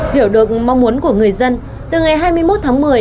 hiểu được mong muốn của người dân từ ngày hai mươi một tháng một mươi